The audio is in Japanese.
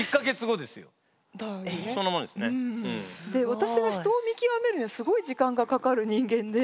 私が人を見極めるのにすごい時間がかかる人間で。